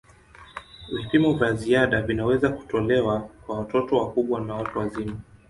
Vipimo vya ziada vinaweza kutolewa kwa watoto wakubwa na watu wazima.